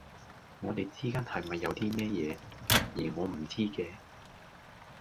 你哋之間係咪有啲咩嘢,而我唔知嘅?